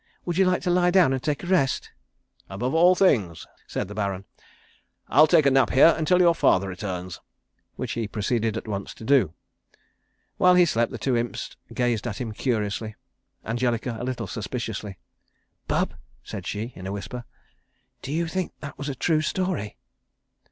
"Would you like to lie down and take a rest?" "Above all things," said the Baron. "I'll take a nap here until your father returns," which he proceeded at once to do. While he slept the two Imps gazed at him curiously, Angelica, a little suspiciously. "Bub," said she, in a whisper, "do you think that was a true story?"